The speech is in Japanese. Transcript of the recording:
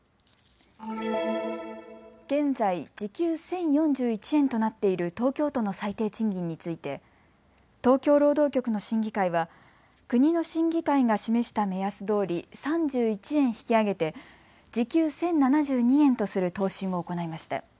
現在、時給１０４１円となっている東京都の最低賃金について東京労働局の審議会は国の審議会が示した目安どおり３１円引き上げて時給１０７２円とする答申を行いました。